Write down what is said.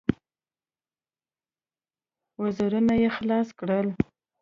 وزرونه يې خلاص کړل.